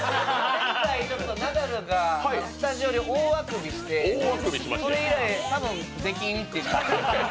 前回ナダルがスタジオで大あくびをしまして、それ以来、多分、出禁というか。